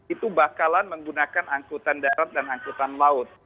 itu bakalan menggunakan angkutan darat dan angkutan laut